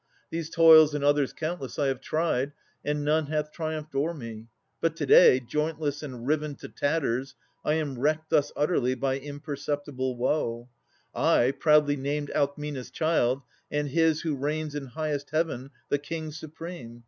These toils and others countless I have tried, And none hath triumphed o'er me. But to day, Jointless and riven to tatters, I am wrecked Thus utterly by imperceptible woe; I, proudly named Alcmena's child, and His Who reigns in highest heaven, the King supreme!